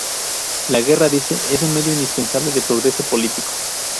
La guerra, dice, es un medio indispensable de progreso político.